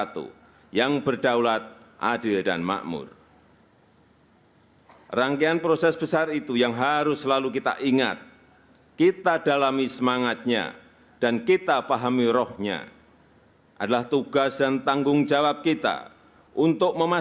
tanda kebesaran buka hormat senjata